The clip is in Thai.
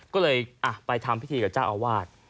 ก็เลยไปทำพิธีกับเจ้าอาวาส